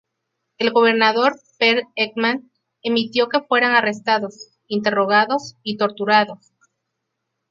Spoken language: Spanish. El gobernador Pehr Ekman permitió que fueran arrestados, interrogados y torturados.